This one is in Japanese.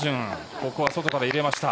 ここは外から入れました。